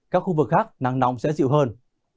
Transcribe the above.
các khu vực khác nắng nóng sẽ dịu hơn